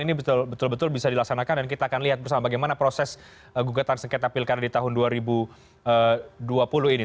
ini betul betul bisa dilaksanakan dan kita akan lihat bersama bagaimana proses gugatan sengketa pilkada di tahun dua ribu dua puluh ini